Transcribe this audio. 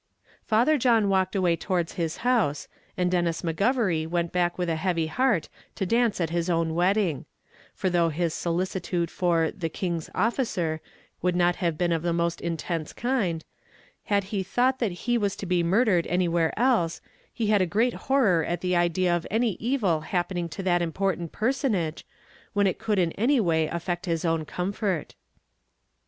Father John walked away towards his house, and Denis McGovery went back with a heavy heart to dance at his own wedding; for though his solicitude for the "king's officer" would not have been of the most intense kind, had he thought that he was to be murdered anywhere else, he had a great horror at the idea of any evil happening to that important personage, when it could in any way affect his own comfort.